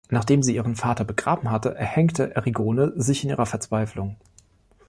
Nachdem sie ihren Vater begraben hatte, erhängte Erigone sich in ihrer Verzweiflung.